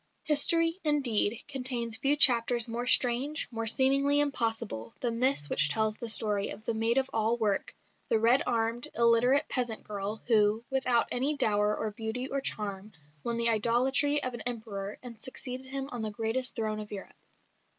History, indeed, contains few chapters more strange, more seemingly impossible, than this which tells the story of the maid of all work the red armed, illiterate peasant girl who, without any dower of beauty or charm, won the idolatry of an Emperor and succeeded him on the greatest throne of Europe.